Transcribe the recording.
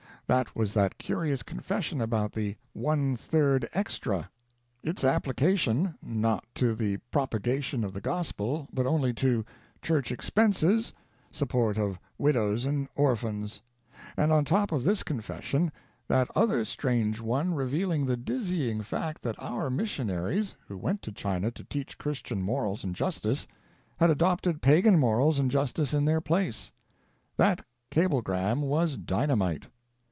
That was that curious confession about the " one third extra" ; its application, not to the "propagation of the Gospel," but only to "church expenses," support of widows and orphans; and, on top of this confession, that other strange one revealing the dizzying fact that our missionaries, who went to China to teach Christian morals and justice, had adopted pagan morals and justice in their place. That cablegram was dynamite.